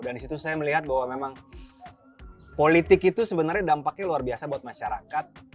dan disitu saya melihat bahwa memang politik itu sebenarnya dampaknya luar biasa buat masyarakat